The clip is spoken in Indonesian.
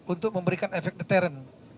untuk memberikan efek deterren